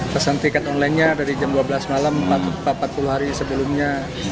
pesan tiket online nya dari jam dua belas malam empat puluh hari sebelumnya